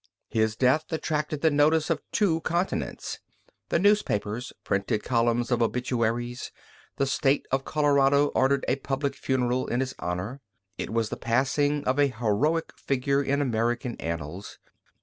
His death attracted the notice of two continents. The newspapers printed columns of obituaries; the State of Colorado ordered a public funeral in his honor; it was the passing of a heroic figure in American annals.